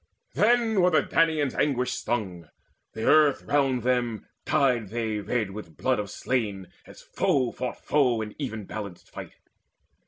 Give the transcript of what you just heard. Then were the Danaans anguish stung: the earth All round them dyed they red with blood of slain, As foe fought foe in even balanced fight.